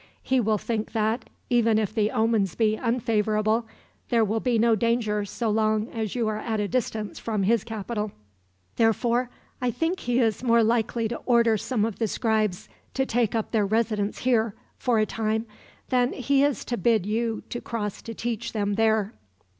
He will think that, even if the omens be unfavorable, there will be no danger so long as you are at a distance from his capital; therefore, I think he is more likely to order some of the scribes to take up their residence here, for a time, than he is to bid you to cross to teach them there."